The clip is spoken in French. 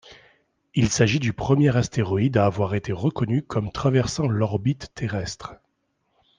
Il s'agit du premier astéroïde à avoir été reconnu comme traversant l'orbite terrestre.